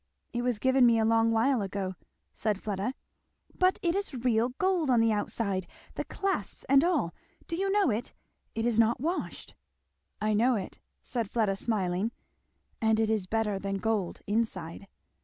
"It was given me a long while ago," said Fleda. "But it is real gold on the outside! the clasps and all do you know it? it is not washed." "I know it," said Fleda smiling; "and it is better than gold inside."